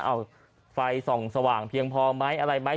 เอาไฟส่องสว่างเพียงพอไหมอะไรไหม